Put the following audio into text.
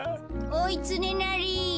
おいつねなり。